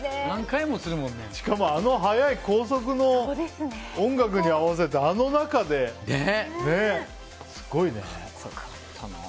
しかもあの速い高速の音楽に合わせたあの中ですごいね。